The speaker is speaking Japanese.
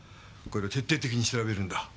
これらを徹底的に調べるんだ。